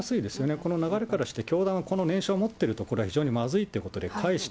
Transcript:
この流れからして教団はこの念書を持っていることはこれは非常にまずいということで、返した。